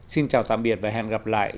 xin chào tạm biệt và hẹn gặp lại